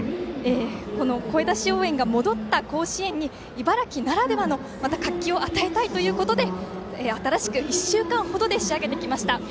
声出し応援が戻った甲子園に、茨城ならではの活気を与えたいということで新しく１週間ほどで仕上げてきました。